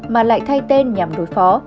mà lại thay tên nhằm đối phó